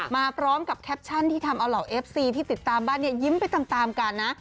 มาพร้อมกับแคปชั่นที่ทำเอาเหล่าเอฟซีที่ติดตามบ้านเนี่ยยิ้มไปตามกันนะ